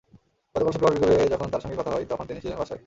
গতকাল শুক্রবার বিকেলে যখন তাঁর সঙ্গে কথা হয়, তখন তিনি ছিলেন বাসায়।